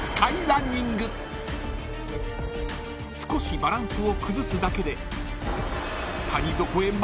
［少しバランスを崩すだけで］